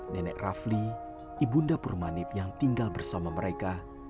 nenek rafli ibunda permanib yang tinggal bersama mereka